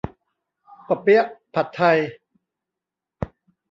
เปาะเปี๊ยะผัดไทย